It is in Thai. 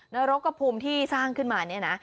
นรกกระภูมิที่สร้างขึ้นมาเนี่ยนะ